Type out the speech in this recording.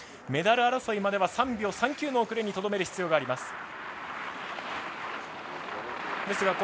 メダル争いまでは３秒３９の遅れにとどめる必要があります。